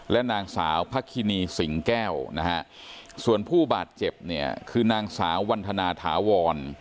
และนางสาวพระคินีสิงแก้วนะฮะส่วนผู้บาดเจ็บเนี่ยคือนางสาววันธนาถาวร